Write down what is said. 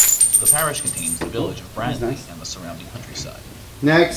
The parish contains the village of Bradley and the surrounding countryside.